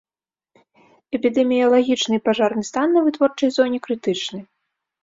Эпідэміялагічны і пажарны стан на вытворчай зоне крытычны.